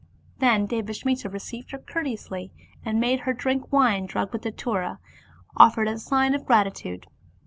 Then Devasmiti received her courteously, and made her drink wine drugged with Datura, offered as a sign of g^titude.